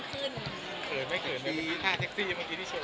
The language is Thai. เผื่อไม่เผื่อเนี่ยท่าเท็กซี่เฉย